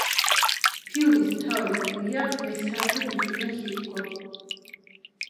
ფილმის მთავარი გმირია მესაათე ბიჭუნა ჰიუგო.